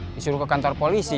disuruh ke kantor polisi